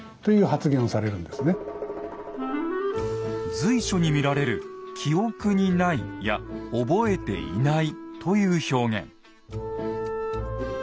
随所に見られる「記憶にない」や「覚えていない」という表現。